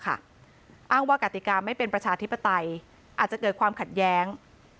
อ้างว่ากติกาไม่เป็นประชาธิปไตยอาจจะเกิดความขัดแย้ง